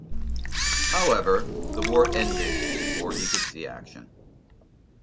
However, the war ended before he could see action.